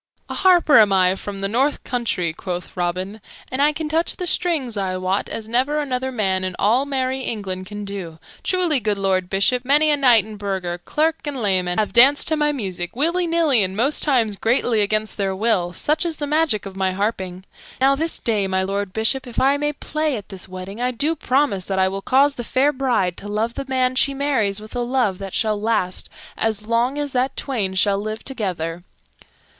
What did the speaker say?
"A harper am I from the north country," quoth Robin, "and I can touch the strings, I wot, as never another man in all merry England can do. Truly, good Lord Bishop, many a knight and burgher, clerk and layman, have danced to my music, willy nilly, and most times greatly against their will; such is the magic of my harping. Now this day, my Lord Bishop, if I may play at this wedding, I do promise that I will cause the fair bride to love the man she marries with a love that shall last as long as that twain shall live together."